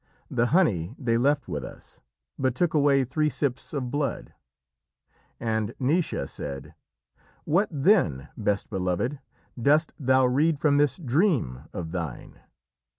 The honey they left with us, but took away three sips of blood." And Naoise said: "What then, best beloved, dost thou read from this dream of thine?"